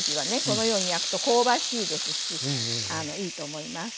このように焼くと香ばしいですしいいと思います。